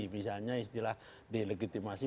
misalnya istilah delegitimasi